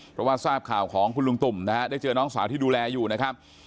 เพราะว่าทราบข่าวของคุณลุงตุ่มนะฮะได้เจอน้องสาวที่ดูแลอยู่นะครับ